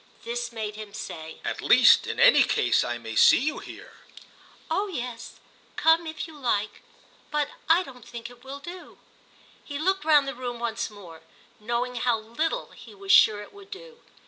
This made him say: "At least, in any case, I may see you here." "Oh yes, come if you like. But I don't think it will do." He looked round the room once more, knowing how little he was sure it would do.